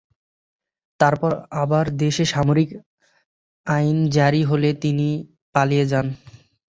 তারপর আবারো দেশে সামরিক আইন জারি হলে তিনি পালিয়ে যান।